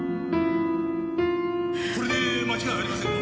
これで間違いありませんか？